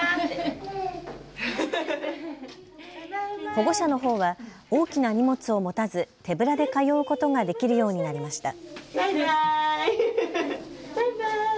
保護者のほうは大きな荷物を持たず手ぶらで通うことができるようになりました。